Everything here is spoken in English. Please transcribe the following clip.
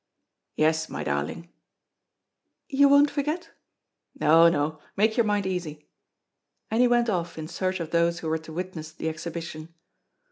"Yes, my darling." "You won't forget?" "No, no. Make your mind easy." And he went off in search of those who were to witness the exhibition.